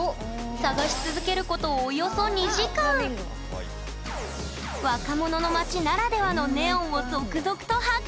探し続けることおよそ若者の街ならではのネオンを続々と発見！